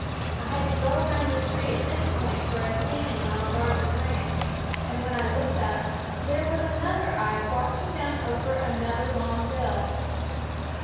I had to go round the tree at this point for a standing on a larger branch ; and when I looked up, there was another eye watching down over another long bill.